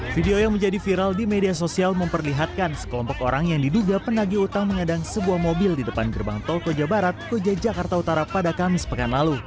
video yang menjadi viral di media sosial memperlihatkan sekelompok orang yang diduga penagi utang mengadang sebuah mobil di depan gerbang tol koja barat koja jakarta utara pada kamis pekan lalu